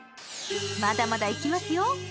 まだまだいきますよ。